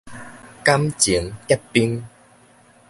感情結冰